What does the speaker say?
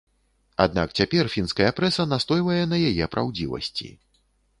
Аднак цяпер фінская прэса настойвае на яе праўдзівасці.